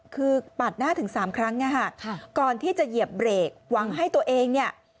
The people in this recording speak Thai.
คือปาดหน้าถึงสามครั้งนะคะก่อนที่จะเหยียบเบรกหวังให้ตัวเองเนี่ย